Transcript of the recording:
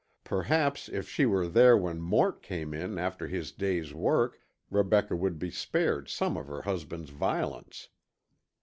Perhaps if she were there when Mort came in after his day's work Rebecca would be spared some of her husband's violence.